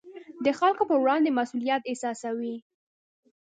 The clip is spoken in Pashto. د خلکو پر وړاندې مسوولیت احساسوي.